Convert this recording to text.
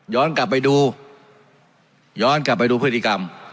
กลับไปดูย้อนกลับไปดูพฤติกรรม